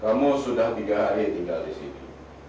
kamu sudah tiga hari tinggal di sini